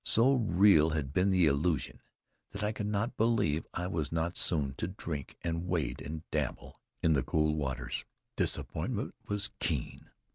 So real had been the illusion that I could not believe I was not soon to drink and wade and dabble in the cool waters. Disappointment was keen.